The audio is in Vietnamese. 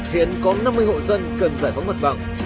hiện có năm mươi hộ dân cần giải phóng mặt bằng